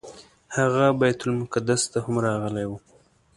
هغه بیت المقدس ته هم راغلی و.